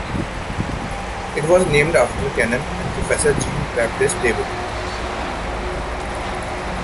It was named after canon and professor Jean-Baptist David.